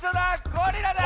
ゴリラだ！